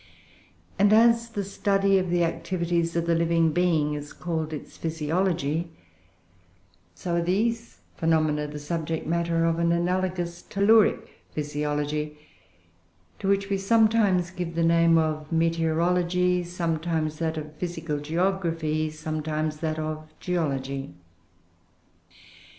And, as the study of the activities of the living being is called its physiology, so are these phenomena the subject matter of an analogous telluric physiology, to which we sometimes give the name of meteorology, sometimes that of physical geography, sometimes that of geology.